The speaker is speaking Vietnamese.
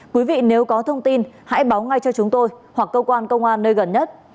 quý vị nếu có thông tin hãy báo ngay cho chúng tôi hoặc cơ quan công an nơi gần nhất